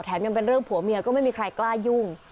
ยังเป็นเรื่องผัวเมียก็ไม่มีใครกล้ายุ่ง